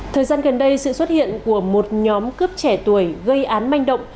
thời gian gần đây sự xuất hiện của một nhóm cướp trẻ tuổi gây án manh động